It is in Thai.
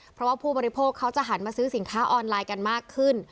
เพราะว่าผู้บริโภคเขาจะหันมาซื้อสินค้าออนไลน์กันมากขึ้น